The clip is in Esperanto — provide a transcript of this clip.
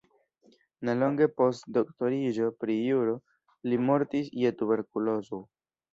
Nelonge post doktoriĝo pri juro li mortis je tuberkulozo.